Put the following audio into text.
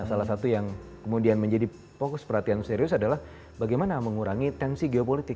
salah satu yang kemudian menjadi fokus perhatian serius adalah bagaimana mengurangi tensi geopolitik